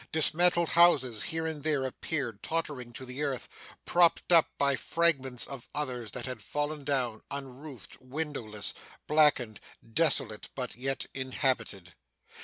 Dismantled houses here and there appeared, tottering to the earth, propped up by fragments of others that had fallen down, unroofed, windowless, blackened, desolate, but yet inhabited.